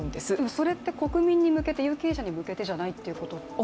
それって国民に向けて、有権者に向けてじゃないということですよね。